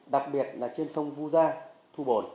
đặc biệt là trên sông vu gia thu bồn